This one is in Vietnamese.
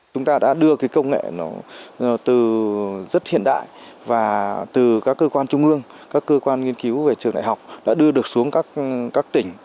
chúng ta đã đưa cái công nghệ nó từ rất hiện đại và từ các cơ quan trung ương các cơ quan nghiên cứu về trường đại học đã đưa được xuống các tỉnh